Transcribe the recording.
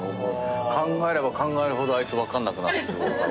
考えれば考えるほどあいつ分かんなくなって。